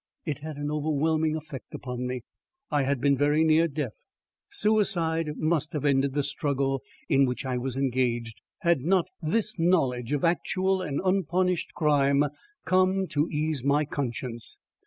It had an overwhelming effect upon me. I had been very near death. Suicide must have ended the struggle in which I was engaged, had not this knowledge of actual and unpunished crime come to ease my conscience.